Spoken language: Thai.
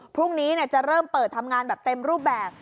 พรุ่งนี้จะเริ่มเปิดทำงานแบบเต็มรูปแบบ